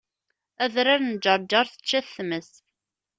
Adrar n Ǧerǧer tečča-t tmes